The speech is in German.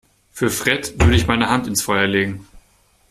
Für Fred würde ich meine Hand ins Feuer legen.